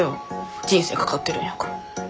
人生かかってるんやから。